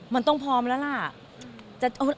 มันต้องพร้อมแล้วล่ะ